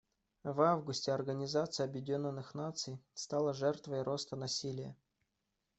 В августе Организация Объединенных Наций стала жертвой роста насилия.